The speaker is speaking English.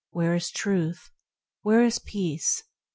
Where is Truth ? Where is peace